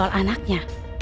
ada urusan anaknya